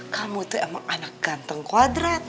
kamu tuh emang anak ganteng kwadrat